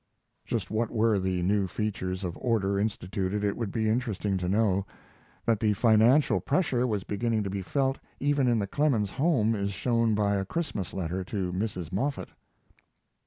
Just what were the new features of order instituted it would be interesting to know. That the financial pressure was beginning to be felt even in the Clemens home is shown by a Christmas letter to Mrs. Moffett.